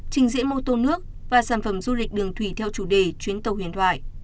trình diễn mô tô nước và sản phẩm du lịch đường thủy theo chủ đề chuyến tàu huyền thoại